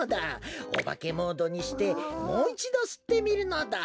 おばけモードにしてもういちどすってみるのだ！